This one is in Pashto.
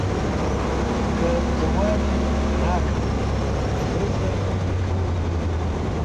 که ځواب دې راکړ سره زر درکوم.